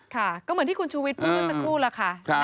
ค่ะก็เหมือนที่คุณชุวิตพูดสักครู่แล้วค่ะ